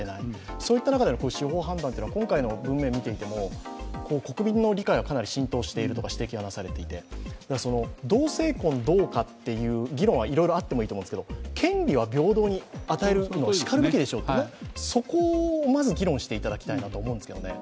そういった中で、司法判断というのは、今回の文面を見ていても国民の理解はかなり浸透しているという指摘がなされていて同性婚どうかという議論はいろいろあってもいいと思うんですけれども、権利は平等に与えてしかるべきだとそこをまず議論していただきたいなと思いますけどね。